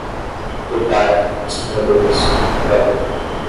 dopar, estupradores, droga